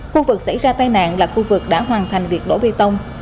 khu vực xảy ra tai nạn là khu vực đã hoàn thành việc đổ bê tông